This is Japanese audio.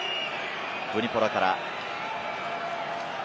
ヴニポラから。